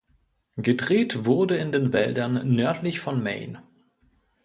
Gedreht wurde in den Wäldern nördlich von Maine.